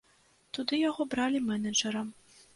Туды яго бралі менеджэрам.